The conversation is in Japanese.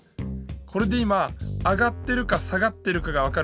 これで今上がってるか下がってるかがわかるね。